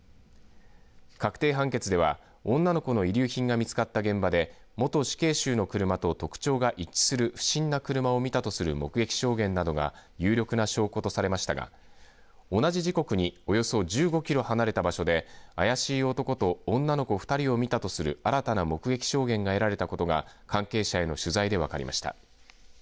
確定判決では女の子の遺留品が見つかった現場で元死刑囚の車と特徴が一致する不審な車を見たとする目撃証言などが有力な証拠とされましたが同じ時刻におよそ１５キロ離れた場所で怪しい男と女の子２人を見たとする新たな目撃証言が得られたことが関係者への取材で分かりました。